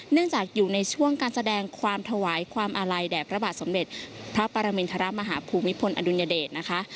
จากอยู่ในช่วงการแสดงความถวายความอาลัยแด่พระบาทสมเด็จพระปรมินทรมาฮภูมิพลอดุลยเดชนะคะ